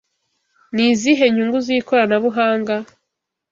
Ni izihe nyungu z'ikoranabuhanga?